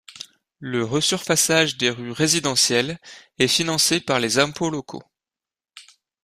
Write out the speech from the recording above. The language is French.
Le resurfaçage des rues résidentielles est financé par les impôts locaux.